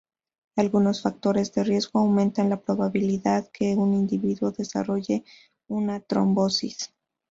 Algunos factores de riesgo aumentan la probabilidad que un individuo desarrolle una trombosis.